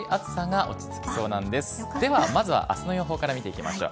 ではまずはあすの予報から見ていきましょう。